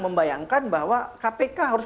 membayangkan bahwa kpk harus